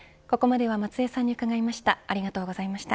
ここまでは松江さんに伺いました。